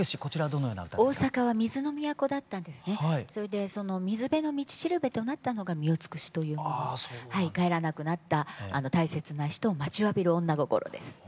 それでその水辺の道しるべとなったのが澪標というもので帰らなくなった大切な人を待ちわびる女心です。